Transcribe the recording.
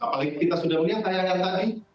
apalagi kita sudah melihat tayangan tadi